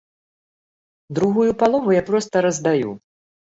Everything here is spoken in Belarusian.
Другую палову я проста раздаю.